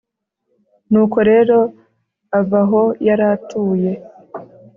nuko rero ava aho yari atuye